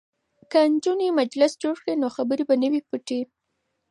که نجونې مجلس جوړ کړي نو خبرې به نه وي پټې.